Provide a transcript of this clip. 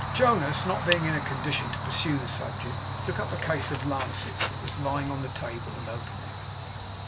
Jonas not being in a condition to pursue the subject, took up a case of lancets that was lying on the table, and opened it.